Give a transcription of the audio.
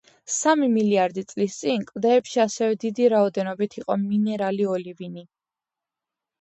სამი მილიარდი წლის წინ კლდეებში ასევე დიდი რაოდენობით იყო მინერალი ოლივინი.